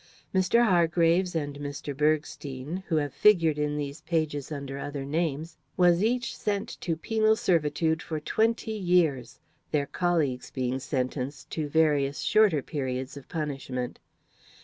Mr. Hargraves and Mr. Bergstein who have figured in these pages under other names was each sent to penal servitude for twenty years, their colleagues being sentenced to various shorter periods of punishment.